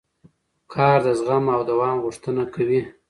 کار د زغم او دوام غوښتنه کوي